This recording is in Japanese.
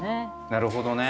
なるほどね。